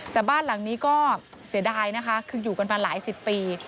แต่บ้านหลังนี้ก็เสียดายนะคะคืออยู่กันมาหลายสิบปี